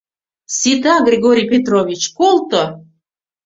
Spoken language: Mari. — Сита, Григорий Петрович, колто...